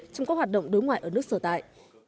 trong các hoạt động đối ngoại ở nước sở tại